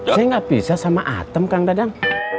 saya gak pisah sama atem kang dadang